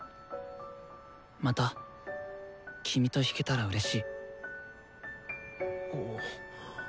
また君と弾けたらうれしい。